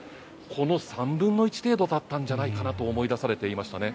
この３分の１程度だったんじゃないかなと思い出されていましたね。